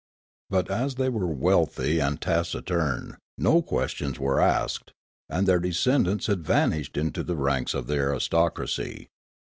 But as they were wealth}^, and taciturn, no questions were asked, and their descendants had vanished into the ranks of the aristocracy.